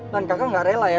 kakak gak rela ya